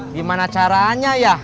gimana caranya ya